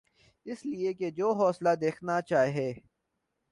اس لئے کہ جو حوصلہ دکھانا چاہیے۔